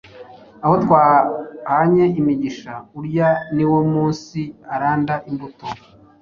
Aho twahanye imigisha. Urya ni wo munsi aranda imbuto